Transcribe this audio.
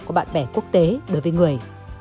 của bạn bè quốc tế đối với người